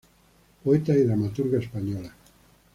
Poeta y dramaturga española.